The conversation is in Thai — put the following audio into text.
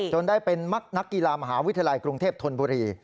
ได้เป็นมักนักกีฬามหาวิทยาลัยกรุงเทพธนบุรี